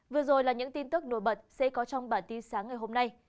vừa rồi là những tin tức nổi bật sẽ có trong bản tin sáng ngày hôm nay